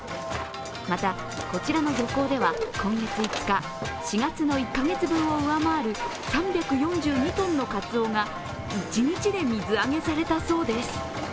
またこちらの漁港では今月５日４月の１カ月分を上回る３４２ｔのかつおが一日で水揚げされたそうです。